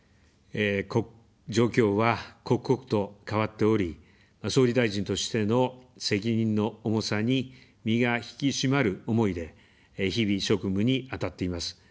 状況は刻々と変わっており、総理大臣としての責任の重さに、身が引き締まる思いで、日々、職務に当たっています。